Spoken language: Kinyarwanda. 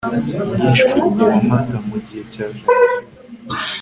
yishwe ku wa mata , mu gihe cya jenoside